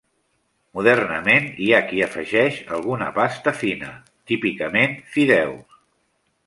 Modernament hi ha qui afegeix alguna pasta fina, típicament fideus.